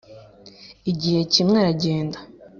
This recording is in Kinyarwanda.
igihe kimwe aragenda